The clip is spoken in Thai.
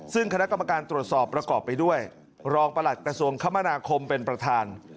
ซึ่งคณะกรรมการตรวจสอบประกอบไปด้วยรองประหลัดกระทรวงคมนาคมเป็นประธาน